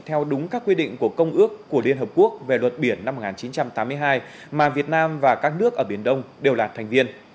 theo đúng các quy định của công ước của liên hợp quốc về luật biển năm một nghìn chín trăm tám mươi hai mà việt nam và các nước ở biển đông đều là thành viên